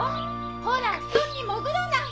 ほら布団にもぐらない！